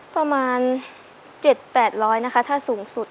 ประมาณ๗๘๐๐นะคะถ้าสูงสุด